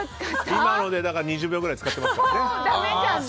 今ので２０秒くらい使っていますから。